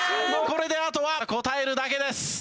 これであとは答えるだけです。